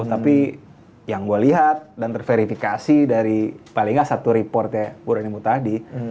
tapi yang gue liat dan terverifikasi dari paling ga satu report ya burhanudin mutahdi